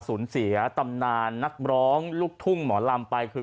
สูญเสียตำนานนักร้องลูกทุ่งหมอลำไปคือ